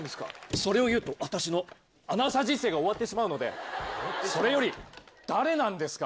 それを言うと、私のアナウンサー人生が終わってしまうので、それより、誰なんですか。